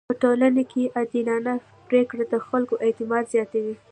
په ټولنه کي عادلانه پریکړه د خلکو اعتماد زياتوي.